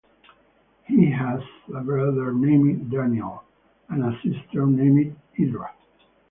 He has a brother named Daniel and a sister named Edra.